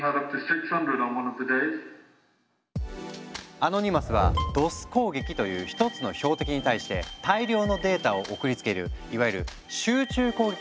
アノニマスは「ＤｏＳ攻撃」という１つの標的に対して大量のデータを送りつけるいわゆる集中攻撃を仕掛けたんだ。